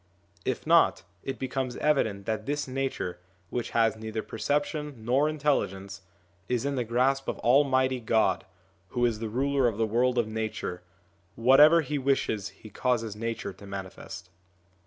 If not, it becomes evident that this Nature, which has neither perception nor intelligence, is in the grasp of Almighty God who is the Ruler of the world of Nature ; whatever He wishes He causes Nature to manifest.